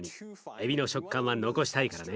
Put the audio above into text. えびの食感は残したいからね。